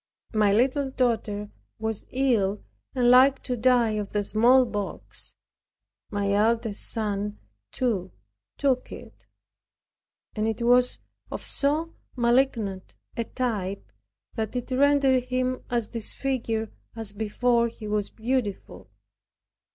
My little daughter ill, and like to die of the smallpox; my eldest son, too, took it; and it was of so malignant a type, that it rendered him as disfigured, as before he was beautiful.